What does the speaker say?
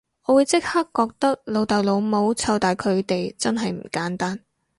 你會即刻覺得老豆老母湊大佢哋真係唔簡單